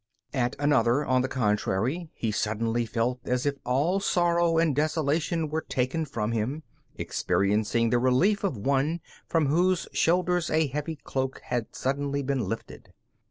At another, on the contrary, he suddenly felt as if all sorrow and desolation were taken from him, experiencing the relief of one from whose shoulders a heavy cloak had suddenly been lifted.